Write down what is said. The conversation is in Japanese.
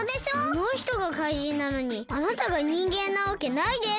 あのひとがかいじんなのにあなたがにんげんなわけないです。